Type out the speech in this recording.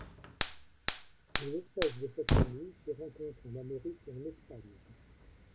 Les espèces de cette famille se rencontrent en Amérique et en Espagne.